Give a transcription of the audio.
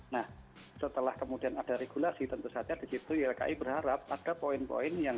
nah setelah kemudian ada regulasi tentu saja di situ ylki berharap ada poin poin yang